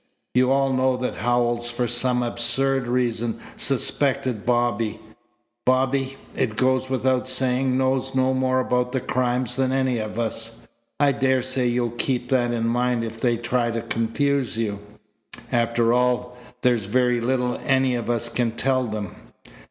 You all know that Howells for some absurd reason suspected Bobby. Bobby, it goes without saying, knows no more about the crimes than any of us. I dare say you'll keep that in mind if they try to confuse you. After all, there's very little any of us can tell them."